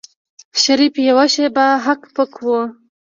شريف يوه شېبه هک پک و.